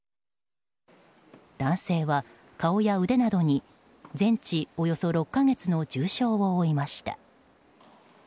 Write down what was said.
男性は顔や腕などに全治およそ６か月の重傷を負いました。